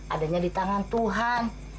adanya di tangan tuhan